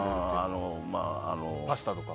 パスタとか？